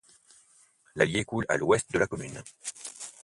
L'Allier coule à l'ouest de la commune.